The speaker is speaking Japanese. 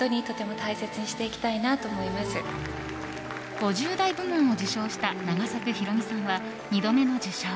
５０代部門を受賞した永作博美さんは、２度目の受賞。